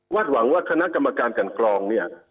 หวังว่าคณะกรรมการกันกรองเนี่ย